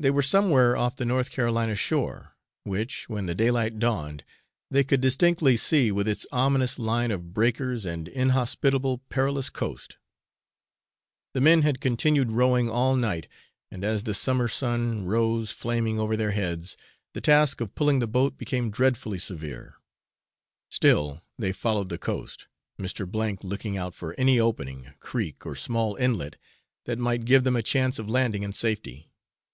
They were somewhere off the North Carolina shore, which, when the daylight dawned, they could distinctly see, with its ominous line of breakers and inhospitable perilous coast. The men had continued rowing all night, and as the summer sun rose flaming over their heads, the task of pulling the boat became dreadfully severe; still they followed the coast, Mr. C looking out for any opening, creek, or small inlet, that might give them a chance of landing in safety.